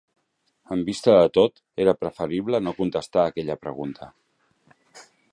En vista de tot, era preferible no contestar aquella pregunta.